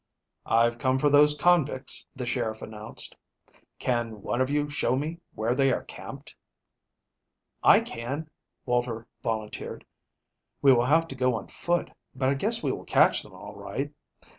"I've come for those convicts," the sheriff announced. "Can one of you show me where they are camped?" "I can," Walter volunteered. "We will have to go on foot, but I guess we will catch them all right.